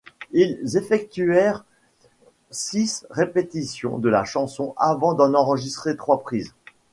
Ils effectuèrent six répétitions de la chanson avant d’en enregistrer trois prises.